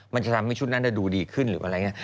มันจะทำให้ชุดนั้นดูดีขึ้นหรืออะไรอย่างนี้